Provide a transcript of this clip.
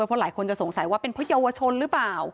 เพราะหลายคนจะสงสัยว่าเป็นเพราะเยาวชนหรือเปล่า